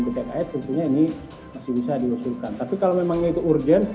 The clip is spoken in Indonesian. di pks tentunya ini masih bisa diusulkan tapi kalau memangnya itu urgent